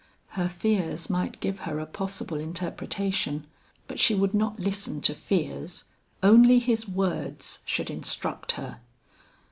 Her fears might give her a possible interpretation, but she would not listen to fears. Only his words should instruct her.